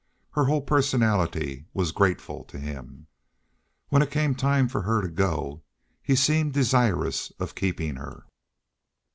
Her whole personality was grateful to him. When it came time for her to go he seemed desirous of keeping her.